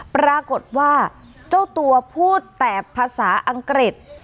ปรากฏว่าเจ้าตัวพูดแต่ภาษาอังกฤษ